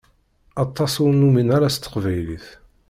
Aṭas ur numin ara s teqbaylit.